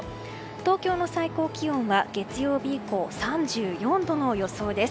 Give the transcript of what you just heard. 東京の最高気温は月曜日以降、３４度の予想です。